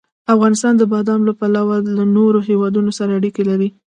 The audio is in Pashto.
افغانستان د بادام له پلوه له نورو هېوادونو سره اړیکې لري.